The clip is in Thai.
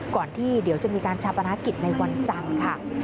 ก่อนที่เดี๋ยวจะมีการชาปนากิจในวันจันทร์ค่ะ